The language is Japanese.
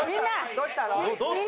どうしたの？